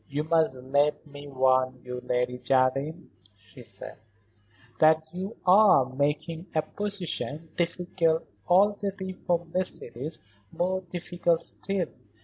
"You must let me warn you, Lady Jardine," she said, "that you are making a position, difficult already for Mercedes, more difficult still.